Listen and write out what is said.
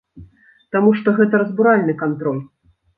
Таму што гэта разбуральны кантроль.